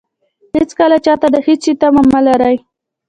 هېڅکله چاته د هېڅ شي تمه مه لرئ.